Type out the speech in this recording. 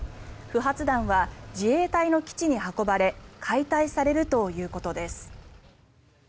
不発弾は自衛隊の基地に運ばれ解体されるということです。